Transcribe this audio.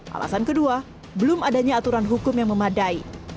alasan kedua belum adanya aturan hukum yang memadai